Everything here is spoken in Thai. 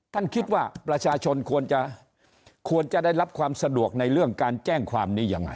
ท่านคิดว่าประชาชนควรจะควรจะได้รับความสะดวกในเรื่องการแจ้งความนี้ยังไง